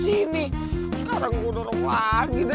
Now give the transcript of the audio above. apes tuh hidup gue